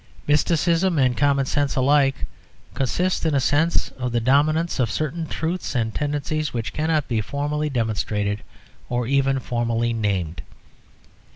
Mysticism and common sense alike consist in a sense of the dominance of certain truths and tendencies which cannot be formally demonstrated or even formally named.